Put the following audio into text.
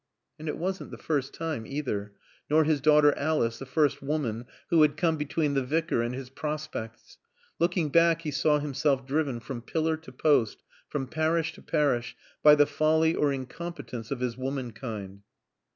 And it wasn't the first time either, nor his daughter Alice the first woman who had come between the Vicar and his prospects. Looking back he saw himself driven from pillar to post, from parish to parish, by the folly or incompetence of his womankind.